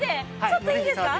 ちょっといいですか？